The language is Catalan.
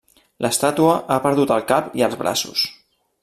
L'estàtua ha perdut el cap i els braços.